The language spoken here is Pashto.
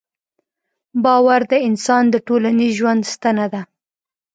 باور د انسان د ټولنیز ژوند ستنه ده.